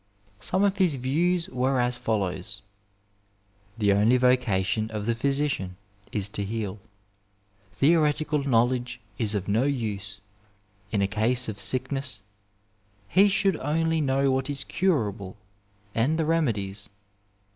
Some of his views were as follows :" The only vocation of the physician is to heal ^ theo retical knowledge is of no use. In a case of sickness he should only know what is curable and the remedies.